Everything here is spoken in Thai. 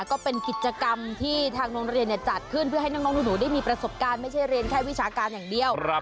ก็เป็นกิจกรรมที่ทางโรงเรียนจัดขึ้นเพื่อให้น้องหนูได้มีประสบการณ์ไม่ใช่เรียนแค่วิชาการอย่างเดียว